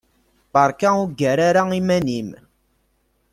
Beṛka ur ggar ara iman-im.